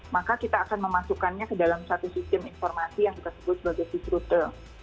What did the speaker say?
maka kita akan memasukkannya ke dalam satu sistem informasi yang disebut sebagai sysrute